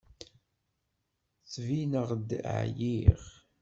Ttbineɣ-d εyiɣ?